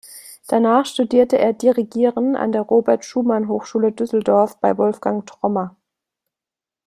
Danach studierte er Dirigieren an der Robert Schumann Hochschule Düsseldorf bei Wolfgang Trommer.